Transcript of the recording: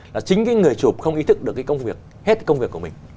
là chính cái người chụp không ý thức được cái công việc hết công việc của mình